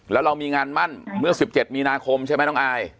แล้วเรามีงานมั่นเมื่อ๑๗มีนาคมใช่ไหมน้องอาย